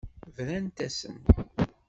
Brant-asen.